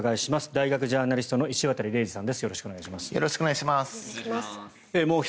大学ジャーナリストの石渡嶺司さんです。